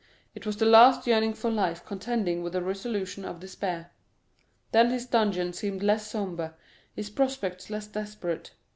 It was the last yearning for life contending with the resolution of despair; then his dungeon seemed less sombre, his prospects less desperate.